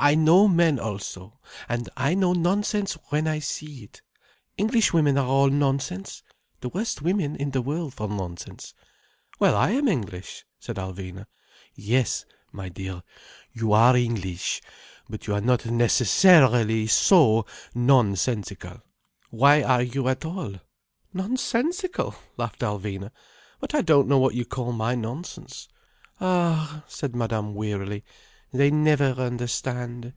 I know men also. And I know nonsense when I see it. Englishwomen are all nonsense: the worst women in the world for nonsense." "Well, I am English," said Alvina. "Yes, my dear, you are English. But you are not necessarily so non sensical. Why are you at all?" "Nonsensical?" laughed Alvina. "But I don't know what you call my nonsense." "Ah," said Madame wearily. "They never understand.